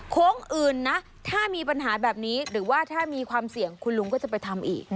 อื่นนะถ้ามีปัญหาแบบนี้หรือว่าถ้ามีความเสี่ยงคุณลุงก็จะไปทำอีก